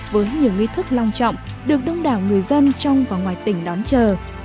với nhiều nguy thức long trọng được đông đảo ngư dân trong và ngoài tỉnh đón chờ